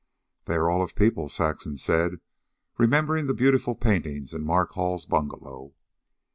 "They are all of people," Saxon said, remembering the beautiful paintings in Mark Hall's bungalow.